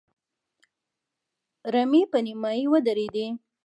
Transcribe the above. رمې په نيمايي ودرېدې.